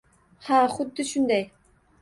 Ha, xuddi shunday